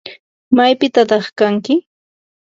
¿Maypitataq kanki?